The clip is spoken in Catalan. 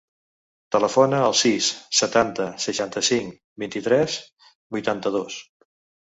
Telefona al sis, setanta, seixanta-cinc, vint-i-tres, vuitanta-dos.